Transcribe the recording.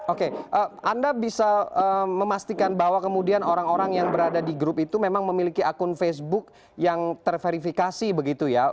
oke anda bisa memastikan bahwa kemudian orang orang yang berada di grup itu memang memiliki akun facebook yang terverifikasi begitu ya